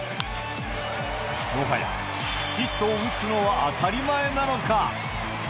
もはやヒットを打つのは当たり前なのか。